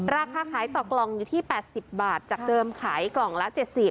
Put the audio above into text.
ราคาขายต่อกล่องอยู่ที่๘๐บาทจากเดิมขายกล่องละ๗๐บาท